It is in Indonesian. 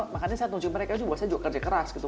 makanya saya tunjuk ke mereka juga saya juga kerja keras gitu